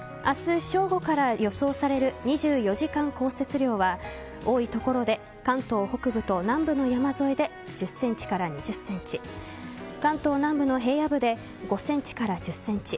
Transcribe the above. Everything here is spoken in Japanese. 明日正午から予想される２４時間降雪量は多い所で関東北部と南部の山沿いで１０ｃｍから２０ｃｍ関東南部の平野部で５ｃｍから１０ｃｍ